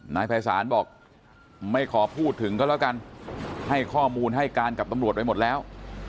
นายภัยศาลบอกไม่ขอพูดถึงก็แล้วกันให้ข้อมูลให้การกับตำรวจไปหมดแล้ว